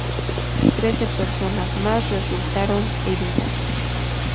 Trece personas más resultaron heridas.